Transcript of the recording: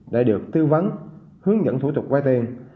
để được tư vấn hướng dẫn thủ tục vay tiền